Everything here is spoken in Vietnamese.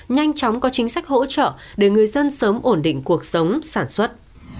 nhanh chóng có chính sách hỗ trợ để người dân sớm ổn định cuộc sống sản xuất